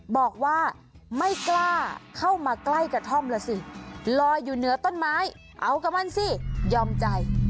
บอกว่าไม่กล้าเข้ามาใกล้กระท่อมล่ะสิลอยอยู่เหนือต้นไม้เอากับมันสิยอมใจ